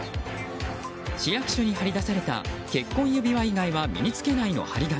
市役所に貼り出された結婚指輪以外は身に着けないの貼り紙。